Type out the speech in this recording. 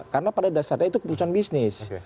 karena pada dasarnya itu keputusan bisnis